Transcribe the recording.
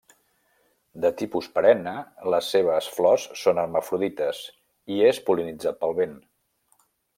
De tipus perenne, les seves flors són hermafrodites i és pol·linitzat pel vent.